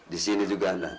di sini juga ada